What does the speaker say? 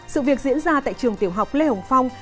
sự việc diễn ra tại trường tiểu học lê hồng phong